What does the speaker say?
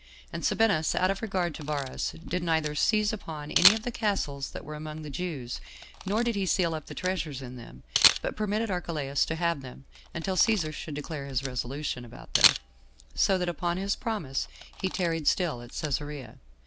And Sabinus, out of regard to Varus, did neither seize upon any of the castles that were among the Jews, nor did he seal up the treasures in them, but permitted Archelaus to have them, until Cæsar should declare his resolution about them; so that, upon this his promise, he tarried still at Cæsarea.